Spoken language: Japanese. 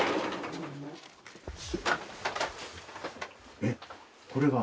えっこれが？